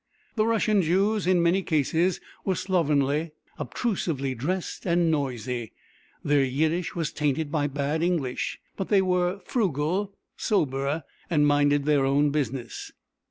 The Russian Jews in many cases were slovenly, obtrusively dressed and noisy; their Yiddish was tainted by bad English, but they were frugal, sober, and minded their own business.